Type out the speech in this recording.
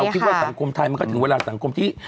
คิดว่าสังคมไทยมันก็ถึงเวลาสังคมที่